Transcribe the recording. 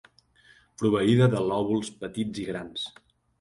Proveïda de lòbuls petits i grans.